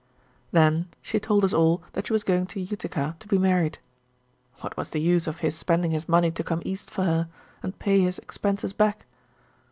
Then she told us all that she was going to Utica to be married. What was the use of his spending his money to come east for her, and pay his expenses back?